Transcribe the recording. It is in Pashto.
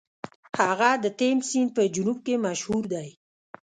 هغه د تیمس سیند په جنوب کې مشهور دی.